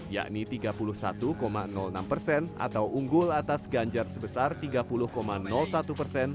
yakni tiga puluh satu enam persen atau unggul atas ganjar sebesar tiga puluh satu persen